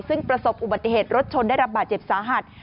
ซึ่งประสบอุบัติเหตุรถชนได้รับบาดเจ็บสาหัส